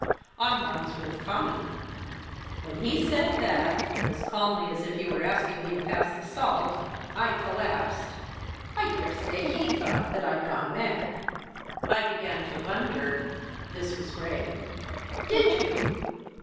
'On Wandsworth Common.' When he said that, as calmly as if he were asking me to pass the salt, I collapsed. I daresay he thought that I'd gone mad." "I began to wonder." This was Graham. "Did you?